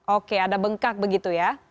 oke ada bengkak begitu ya